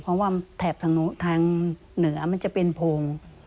เพราะว่าแถบทางเหนือมันจะเป็นโพง